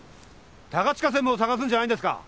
高近専務を捜すんじゃないんですか？